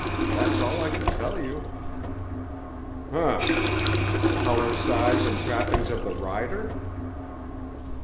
That's all I can tell you." "Humph! Color, size, and trappings of the rider?"